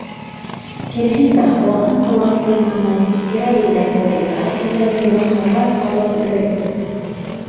Киреһенсә, һауаһын һулап туйманы, тирә-йүндәге тәбиғәт гүзәллегенә хайран ҡалып бер булды.